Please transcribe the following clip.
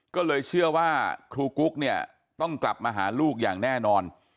ก็เลยเชื่อว่าครูกุ๊กเนี่ยต้องกลับมาหาลูกอย่างแน่นอน